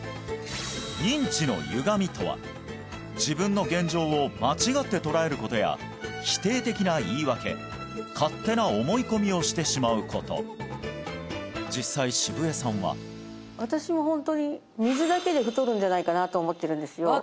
認知のゆがみとは自分の現状を間違って捉えることや否定的な言い訳勝手な思い込みをしてしまうこと実際澁江さんは私もホントに水だけで太るんじゃないかなと思ってるんですよ